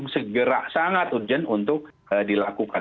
segera sangat urgent untuk dilakukan